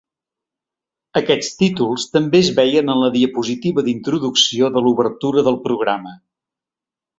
Aquests títols també es veien en la diapositiva d'introducció de l'obertura del programa.